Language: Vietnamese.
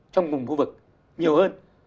trong cùng khu vực nhiều hơn